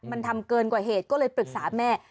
มันทำเกินกว่าเหตุก็เลยปรึกษาแม่